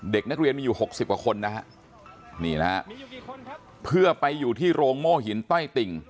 เด็กนักเรียนมีอยู่หกสิบกว่าคนนะฮะนี่นะฮะเพื่อไปอยู่ที่โรงโม่หินต้อยติ่ง